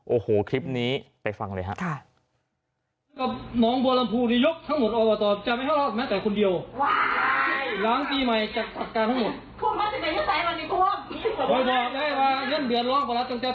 โอ้โหคลิปนี้ไปฟังเลยครับ